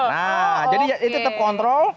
nah jadi itu tetap kontrol